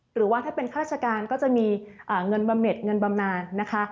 หรือว่าถ้าเป็นข้าราชการก็จะมีเงินบำเน็ตเงินบำนานนะคะ